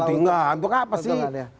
oh enggak untuk apa sih